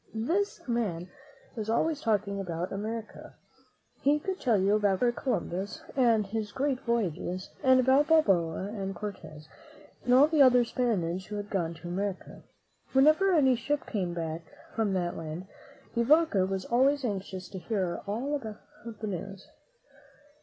This man was always talking about America. He could tell you about Christopher Columbus and his great voyages, and about Balboa and Cortez, and all the other Spaniards who had gone to America. Whenever any ship came back from that land, De Vaca was always anxious to hear all the news.